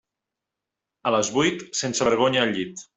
A les vuit, sense vergonya al llit.